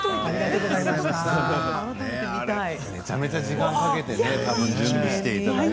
めちゃめちゃ時間をかけていますね。